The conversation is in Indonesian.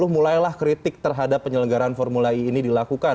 mulailah kritik terhadap penyelenggaran formula e ini dilakukan